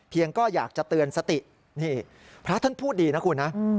ก็อยากจะเตือนสตินี่พระท่านพูดดีนะคุณนะ